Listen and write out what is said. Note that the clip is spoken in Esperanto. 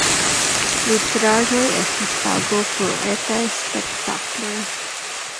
Nutraĵoj estis pago pro etaj spektakloj.